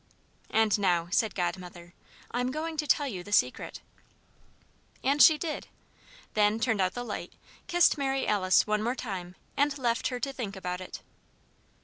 "And now," said Godmother, "I'm going to tell you the Secret." And she did. Then turned out the light, kissed Mary Alice one more time, and left her to think about it.